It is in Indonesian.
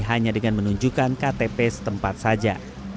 hanya dengan menunjukkan ktp setempat saja